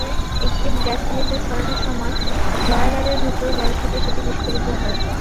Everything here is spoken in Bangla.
একটি গ্যাস সিলিন্ডার সরানোর সময় বয়ালারের ভেতর গ্যাস ঢুকে সেটি বিস্ফোরিত হয়।